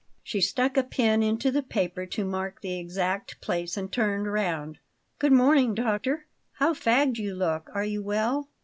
She stuck a pin into the paper to mark the exact place, and turned round. "Good morning, doctor; how fagged you look! Are you well?"